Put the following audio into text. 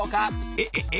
えええ？